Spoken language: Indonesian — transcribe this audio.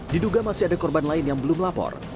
diduga masih ada korban lain yang belum lapor